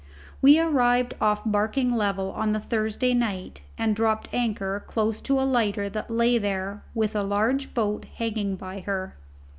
We arrived off Barking Level on the Thursday night, and dropped anchor close to a lighter that lay there with a large boat hanging by her.